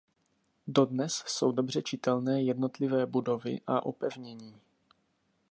Dodnes jsou dobře čitelné jednotlivé budovy a opevnění.